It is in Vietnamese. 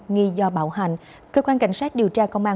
nghi do bạo hành cơ quan cảnh sát điều tra công an